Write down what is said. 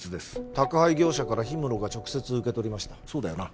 宅配業者から氷室が直接受け取りましたそうだよな？